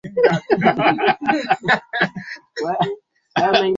Hakuna mwingine ni wewe pekee yako.